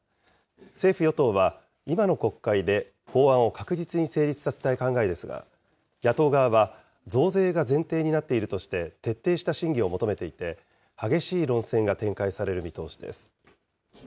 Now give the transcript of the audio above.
政府・与党は今の国会で法案を確実に成立させたい考えですが、野党側は増税が前提になっているとして、徹底した審議を求めていて、激しい論戦が展開される見通しです。